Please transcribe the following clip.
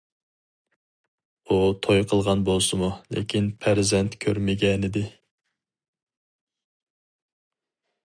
ئۇ توي قىلغان بولسىمۇ، لېكىن پەرزەنت كۆرمىگەنىدى.